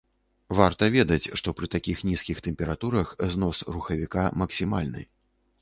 Варта ведаць, што пры такіх нізкіх тэмпературах знос рухавіка максімальны.